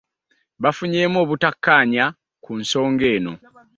Bafunyeemu obutakkaanya ku nsonga eno.